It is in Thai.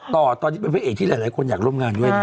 ต่อตอนที่เป็นวิเอกซ์ที่หลายกวนอยากร่วมงานด้วย